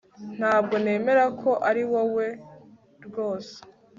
Ntabwo nemera ko ariwowe rwose